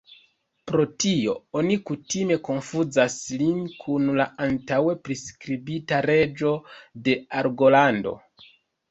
Pro tio, oni kutime konfuzas lin kun la antaŭe priskribita reĝo de Argolando.